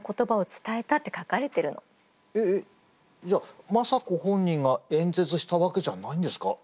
えっえっじゃあ政子本人が演説したわけじゃないんですか？